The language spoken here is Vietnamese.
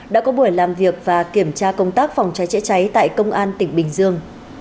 đã có buổi làm việc và kiểm tra công tác phòng cháy chữa cháy tại công an tp hcm